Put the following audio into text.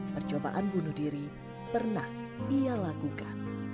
percobaan bunuh diri pernah ia lakukan